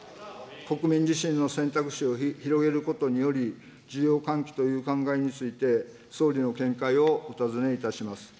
国民自身の選択肢を広げることにより、需要喚起という考えについて、総理の見解をお尋ねいたします。